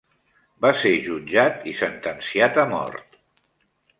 Va ser jutjat i sentenciat a mort.